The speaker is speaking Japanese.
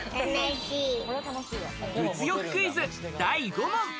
物欲クイズ第５問！